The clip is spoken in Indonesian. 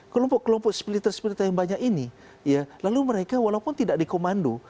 kelompok kelompok sepiliter sepiliter yang banyak ini ya lalu mereka walaupun tidak dikomando